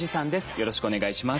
よろしくお願いします。